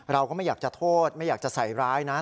เราก็ไม่อยากจะโทษไม่อยากจะใส่ร้ายนะ